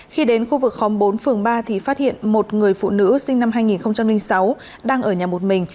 khi đến khu vực khóm bốn phường ba thì phát hiện một người phụ nữ sinh năm hai nghìn sáu đang ở nhà một mình